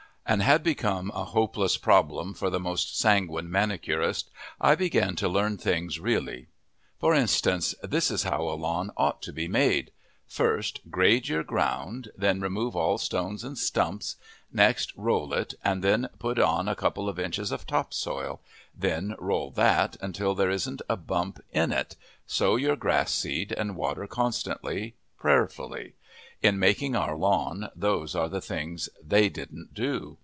and had become a hopeless problem for the most sanguine manicurist, I began to learn things really. For instance, this is how a lawn ought to be made: First, grade your ground, then remove all stones and stumps; next roll it and then put on a couple of inches of top soil; then roll that until there isn't a bump in it, sow your grass seed and water constantly, prayerfully. In making our lawn those are the things they didn't do.